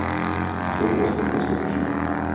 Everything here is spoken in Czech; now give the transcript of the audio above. K tomu ostatně slouží.